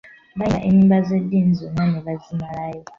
Baayimba ennyimba z'eddiini zonna ne bazimalayo.